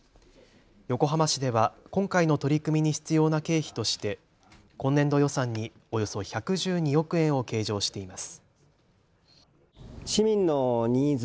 横浜市では今回の取り組みに必要な経費として今年度予算におよそ１１２億円を計上しています。